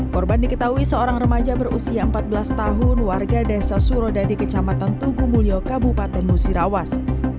korban diketahui seorang remaja berusia empat belas tahun warga desa surodadi kecamatan tugu mulyo kabupaten musirawas